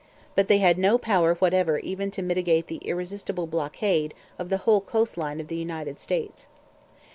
But they had no power whatever even to mitigate the irresistible blockade of the whole coast line of the United States.